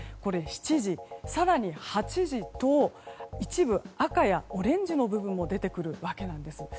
７時、更に８時と一部、赤やオレンジの部分も出てくるわけなんです。